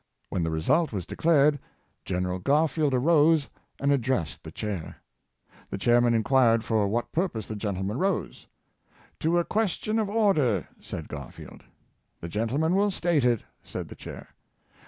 When the result was de clared. Gen. Garfield arose and addressed the Chair. The Chairman inquired for what purpose the gentle man rose. Mr. Lindsay, ' 179 ^' To a question of order," said Garfield. " The gentleman will state it," said the Chair.